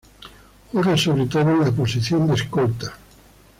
Juega sobre todo en la posición de escolta.